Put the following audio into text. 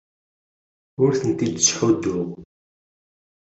Ur tent-id-ttḥudduɣ.